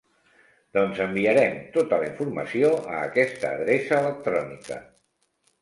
Doncs enviarem tota la informació a aquesta adreça electrònica.